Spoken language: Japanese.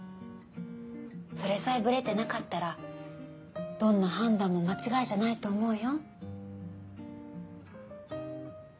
それさえブレてなかったらどんな判断も間違いじゃないと思うよ。